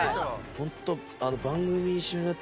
ホント。